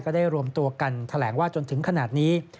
ได้รวมตัวกันแถลงว่าจนถึงขนาดนี้